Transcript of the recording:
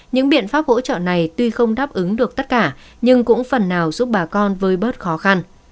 những biện pháp hỗ trợ này tuy không đáp ứng được tất cả nhưng cũng phần nào giúp bà con vơi bớt khó khăn